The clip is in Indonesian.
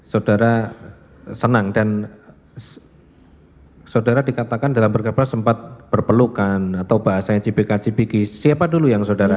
saudara senang dan saudara dikatakan dalam berkapasitas sempat berpelukan atau bahasanya cipika cipiki siapa dulu yang saudara